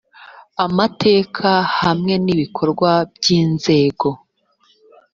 amategeko hamwe n ibikorwa by inzego